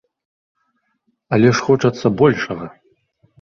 Але ж хочацца большага.